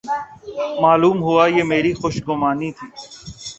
معلوم ہوا یہ میری خوش گمانی تھی۔